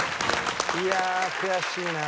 いやあ悔しいな。